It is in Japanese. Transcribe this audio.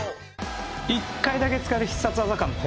１回だけ使える必殺技感。